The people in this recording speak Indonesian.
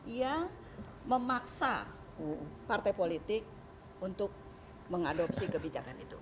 ia memaksa partai politik untuk mengadopsi kebijakan itu